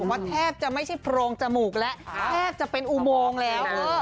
ว่าแทบจะไม่ใช่โพรงจมูกแล้วแทบจะเป็นอุโมงแล้ว